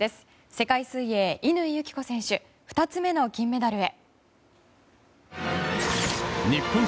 世界水泳、乾友紀子選手２つ目の金メダルへ。